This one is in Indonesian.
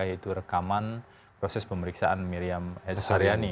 yaitu rekaman proses pemeriksaan miriam s haryani